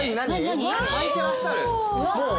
履いてらっしゃる。